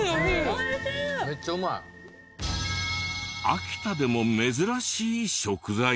秋田でも珍しい食材も。